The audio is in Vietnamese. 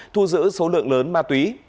thu giữ số lượng lớn ma túy